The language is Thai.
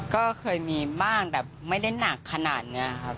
ก็เคยมีบ้างแต่ไม่ได้หนักขนาดนี้ครับ